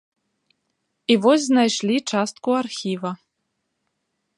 І вось знайшлі частку архіва.